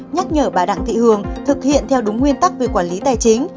nhắc nhở bà đặng thị hường thực hiện theo đúng nguyên tắc về quản lý tài chính